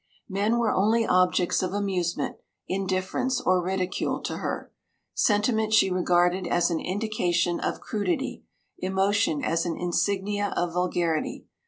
Men were only objects of amusement, indifference, or ridicule to her. Sentiment she regarded as an indication of crudity, emotion as an insignia of vulgarity.